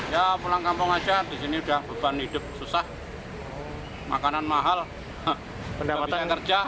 ya pulang kampung saja disini sudah beban hidup susah makanan mahal tidak bisa kerja